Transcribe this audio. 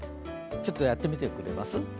ちょっとやってみてくれます？